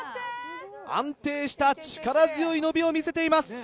安定した力強い伸びを見せています。